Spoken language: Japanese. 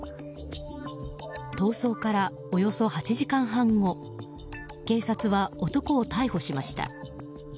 逃走からおよそ８時間半後警察は男を逮捕しました。